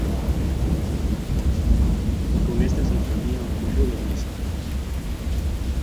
Con esta sinfonía ocurrió lo mismo.